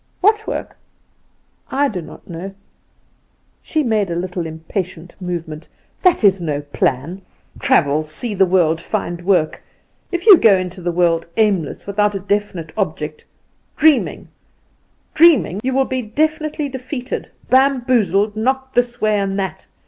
"What work?" "I do not know." She made a little impatient movement. "That is no plan; travel see the world find work! If you go into the world aimless, without a definite object, dreaming dreaming, you will be definitely defeated, bamboozled, knocked this way and that.